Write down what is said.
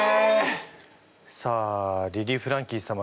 さあリリー・フランキー様